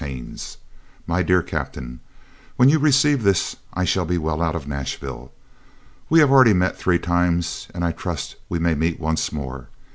Haines, My Dear Captain: When you receive this I shall be well out of Nashville. We have already met three times, and I trust we may meet once more.